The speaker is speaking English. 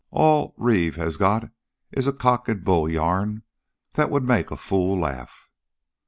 All Reeve has got is a cock and bull yarn that would make a fool laugh!"